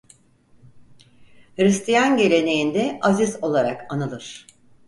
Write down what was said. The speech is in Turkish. Hristiyan geleneğinde aziz olarak anılır.